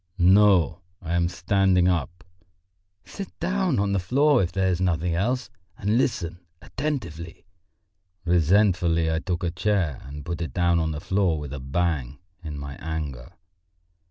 "No, I am standing up." "Sit down on the floor if there is nothing else, and listen attentively." Resentfully I took a chair and put it down on the floor with a bang, in my anger.